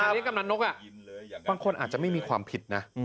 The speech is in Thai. อันนี้กำนันนกบางคนอาจจะไม่มีความผิดนะ